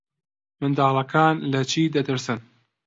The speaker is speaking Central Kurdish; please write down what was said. منداڵەکان لە چی دەترسن؟